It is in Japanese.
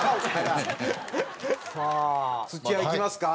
さあ土屋いきますか？